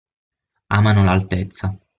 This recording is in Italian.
Amano l'altezza.